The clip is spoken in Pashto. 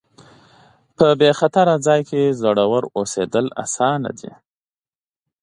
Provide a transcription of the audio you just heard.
په بې خطره ځای کې زړور اوسېدل اسانه دي.